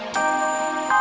ya ampun baja